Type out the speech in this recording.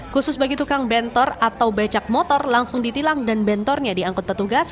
khusus bagi tukang bentor atau becak motor langsung ditilang dan bentornya diangkut petugas